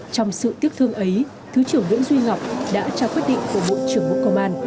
trong sự tiếc thương ấy thứ trưởng nguyễn duy ngọc đã trao quyết định của bộ trưởng bộ công an